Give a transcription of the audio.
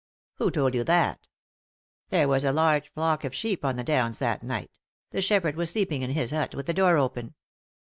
" Who told you that ?" "There was a large flock of sheep on the downs that night ; the shepherd was sleeping in his hut with the door open.